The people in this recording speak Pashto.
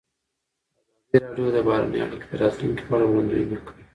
ازادي راډیو د بهرنۍ اړیکې د راتلونکې په اړه وړاندوینې کړې.